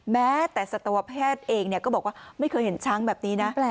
แม้แต่สัตวแพทย์เองก็บอกว่าไม่เคยเห็นช้างแบบนี้นะ